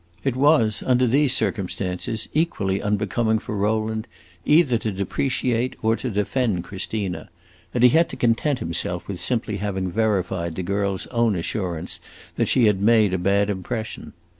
It was, under these circumstances, equally unbecoming for Rowland either to depreciate or to defend Christina, and he had to content himself with simply having verified the girl's own assurance that she had made a bad impression.